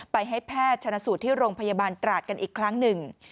ไปให้แพทย์ชนะสูตรที่โรงพยาบาลตราดกันอีกครั้งหนึ่ง